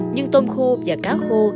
nhưng tôm khô và cá khô